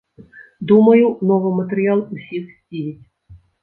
Думаю, новы матэрыял усіх здзівіць.